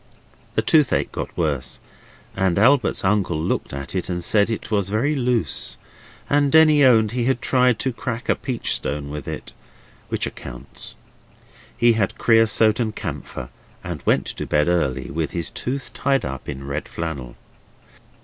The toothache got worse, and Albert's uncle looked at it, and said it was very loose, and Denny owned he had tried to crack a peach stone with it. Which accounts. He had creosote and camphor, and went to bed early, with his tooth tied up in red flannel.